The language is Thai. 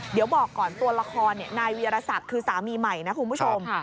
เดี๋ยวบอกก่อนตัวละครนายวีรศักดิ์คือสามีใหม่นะคุณผู้ชม